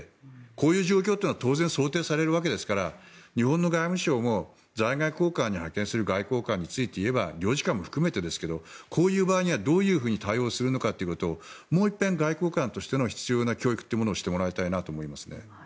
こういう状況というのは当然想定されるわけですから日本の外務省も在外公館に派遣する外交官についていえば領事館も含めてですがこういう場合にはどういう対応するのかということをもう一遍、外交官としての必要な教育というものをしてもらいたいなと思いますね。